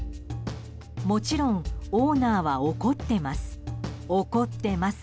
もちろんオーナーは怒ってます。